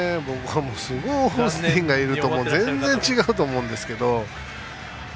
すごいオースティンがいると全然違うと思うんですけど。